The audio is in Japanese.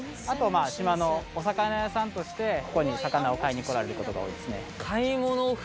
あとは島のお魚屋さんとしてここに魚を買いに来られることが多いですね。